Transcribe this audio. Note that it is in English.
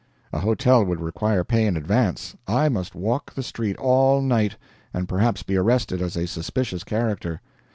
A hotel would require pay in advance I must walk the street all night, and perhaps be arrested as a suspicious character.